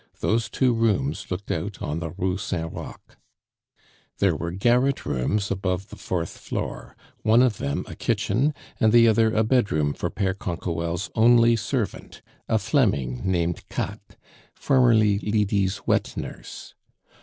Those two rooms looked out on the Rue Saint Roch. There were garret rooms above the fourth floor, one of them a kitchen, and the other a bedroom for Pere Canquoelle's only servant, a Fleming named Katt, formerly Lydie's wet nurse.